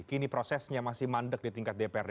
kini prosesnya masih mandek di tingkat dprd